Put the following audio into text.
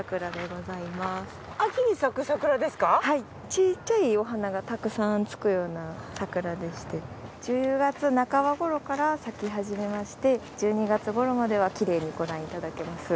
ちっちゃいお花がたくさんつくようなサクラでして１０月半ば頃から咲き始めまして１２月頃まではきれいにご覧頂けます。